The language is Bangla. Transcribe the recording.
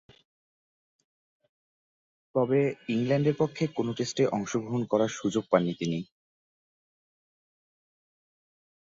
তবে, ইংল্যান্ডের পক্ষে কোন টেস্টে অংশগ্রহণ করার সুযোগ পাননি তিনি।